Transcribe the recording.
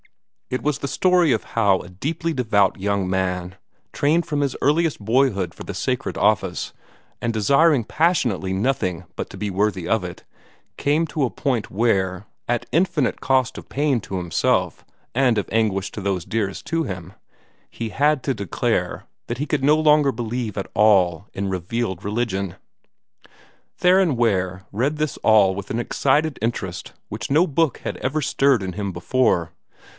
It was the story of how a deeply devout young man, trained from his earliest boyhood for the sacred office, and desiring passionately nothing but to be worthy of it, came to a point where, at infinite cost of pain to himself and of anguish to those dearest to him, he had to declare that he could no longer believe at all in revealed religion. Theron Ware read this all with an excited interest which no book had ever stirred in him before.